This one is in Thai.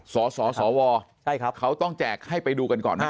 สสสวใช่ครับเขาต้องแจกให้ไปดูกันก่อนนะ